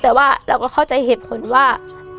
แต่ว่าเราก็เข้าใจเหตุผลว่า